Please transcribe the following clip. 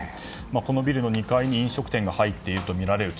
このビルの２階に飲食店が入っているとみられると。